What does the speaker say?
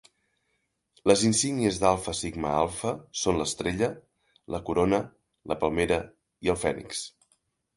Les insígnies d'Alpha Sigma Alpha són l'estrella, la corona, la palmera i el fènix.